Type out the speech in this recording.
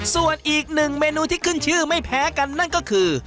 ส่วนอีกหนึ่งเมนูที่ขึ้นชื่อไม่แพ้กันนั่นก็คือ